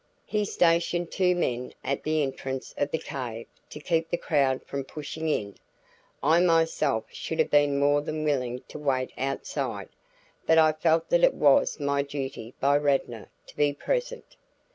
He stationed two men at the entrance of the cave to keep the crowd from pushing in. I myself should have been more than willing to wait outside, but I felt that it was my duty by Radnor to be present.